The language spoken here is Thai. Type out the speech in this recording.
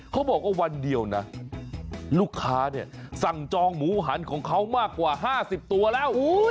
เขาบอกว่าวันเดียวนะลูกค้าเนี่ยสั่งจองหมูหันของเขามากกว่า๕๐ตัวแล้ว